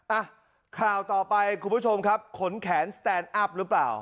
อ่ะข่าวต่อไปคุณผู้ชมครับขนแขนสแตนอัพหรือเปล่า